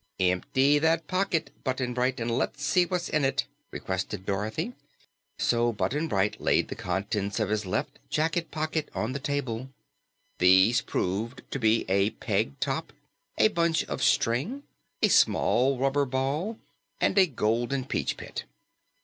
"Empty that pocket, Button Bright, and let's see what's in it," requested Dorothy. So Button Bright laid the contents of his left jacket pocket on the table. These proved to be a peg top, a bunch of string, a small rubber ball and a golden peach pit.